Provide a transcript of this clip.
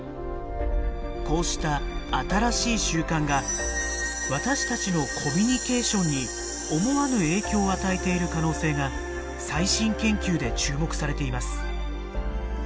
こうした新しい習慣が私たちのコミュニケーションに思わぬ影響を与えている可能性が最新研究で注目されています。